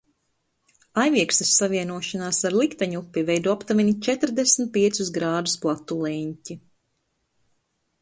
Aiviekstes savienošanās ar likteņupi veido aptuveni četrdesmit piecus grādus platu leņķi.